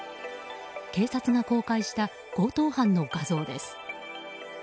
警察が公開した強盗犯の画像です。